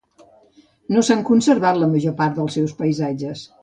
No s'han conservat la major part dels seus paisatges.